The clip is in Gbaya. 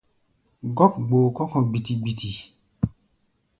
Gɔ́k gboo kɔ́ kɔ̧ gbiti-gbiti.